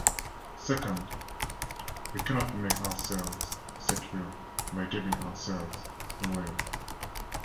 Second, we cannot make ourselves secure by giving ourselves away.